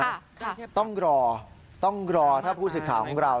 ค่ะค่ะต้องรอต้องรอถ้าผู้ศึกขาของเรา